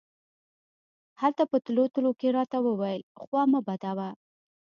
هغه په تلو تلو کښې راته وويل خوا مه بدوه.